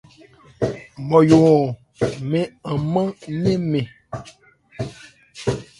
Nmɔyo-ɔn, mɛ́n an mán yɛ́n mɛn.